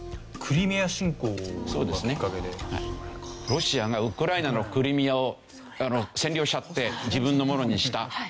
ロシアがウクライナのクリミアを占領しちゃって自分のものにした。